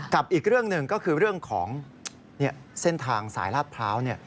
อีกเรื่องหนึ่งก็คือเรื่องของเส้นทางสายลาดพร้าว